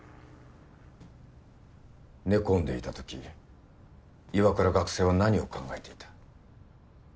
寝込んでいた時岩倉学生は何を考えていた？